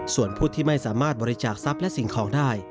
ส่วนผู้ที่ไม่สามารถบริจาคทรัพย์และสิ่งของได้